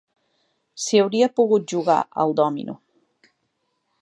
S'hi hauria pogut jugar al dòmino